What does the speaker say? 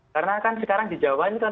karena kan sekarang di jawa ini kan